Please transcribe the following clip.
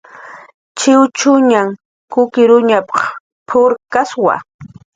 "Chiwchuñan kakuñp"" p""uq p""uqkkaswa"